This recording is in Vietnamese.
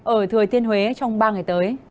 ở thừa tiên huế trong ba ngày tới